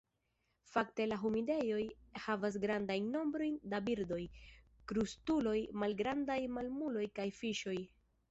Fakte la humidejoj havas grandajn nombrojn da birdoj, krustuloj, malgrandaj mamuloj kaj fiŝoj.